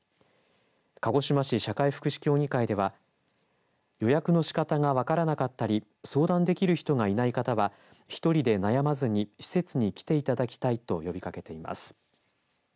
鹿児島市社会福祉協議会では予約の仕方が分からなかったり相談できる人がいない方は１人で悩まずに施設に来ていただきたいと呼びかけています。